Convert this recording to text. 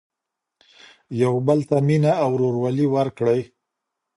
يو بل ته مينه او ورورولي ورکړئ.